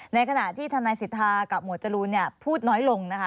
ในขณะที่ทนายสิทธากับหมวดจรูนพูดน้อยลงนะคะ